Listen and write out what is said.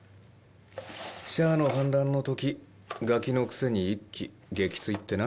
シャアの反乱のときガキのくせに１機撃墜ってな。